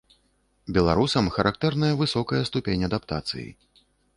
Беларусам характэрная высокая ступень адаптацыі.